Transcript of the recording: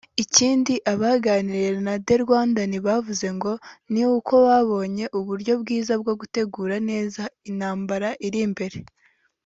Ikindi abaganiriye na The Rwandan bavuze ngo ni uko babonye uburyo bwiza bwo gutegura neza intambara iri imbere